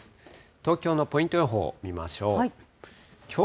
東京のポイント予報見ましょう。